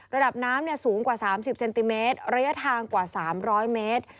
ระดับน้ำสูงกว่า๓๐เซนติเมตรระยะทางกว่า๓๐๐เมตร